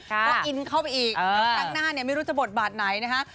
ก็อินเข้าไปอีกแล้วครั้งหน้าเนี่ยไม่รู้จะบทบาทไหนนะคะ